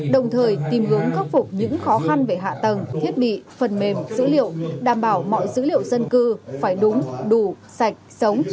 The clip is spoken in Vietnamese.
đồng thời tìm hướng khắc phục những khó khăn về hạ tầng thiết bị phần mềm dữ liệu đảm bảo mọi dữ liệu dân cư phải đúng đủ sạch sống